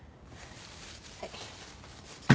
はい。